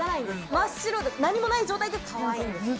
真っ白で何もない状態でかわいいんです。